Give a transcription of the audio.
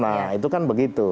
nah itu kan begitu